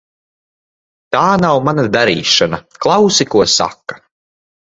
Tā nav mana darīšana. Klausi, ko saka.